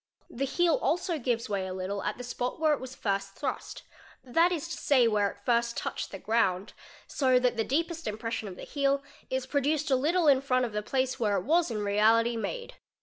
The heel also gives way a little t the spot where it was first thrust, that is to say, where it first touched 6 ground, so that the deepest impression of the heel is produced a little il of the place where it was in reality made.